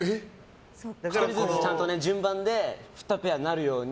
１人ずつ、ちゃんと順番でペアになるように。